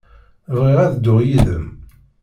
Bɣiɣ ad dduɣ yid-m.